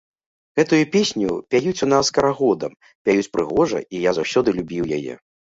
Гэтую песню пяюць у нас карагодам, пяюць прыгожа, і я заўсёды любіў яе.